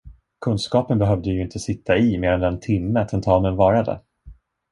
Kunskapen behövde ju inte sitta i mer än den timme tentamen varade.